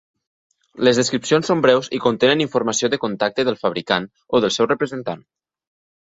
Les descripcions són breus i contenen informació de contacte del fabricant o del seu representant.